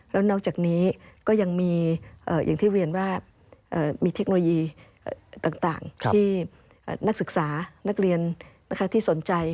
แล้วนอกจากนี้ก็ยังมีอย่างที่เรียนว่ามีเทคโนโลยีต่างที่นักศึกษานักเรียนที่สนใจ